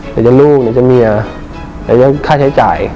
หรือจะลูกหรือจะเมียหรือค่าใช้จ่าย